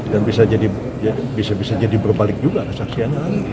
dan bisa jadi berbalik juga saksianya